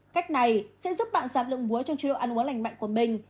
cách này sẽ giúp bạn giảm lượng muối trong chế độ ăn uống lành mạnh của mình